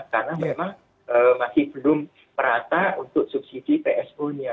karena memang masih belum merata untuk subsidi psu nya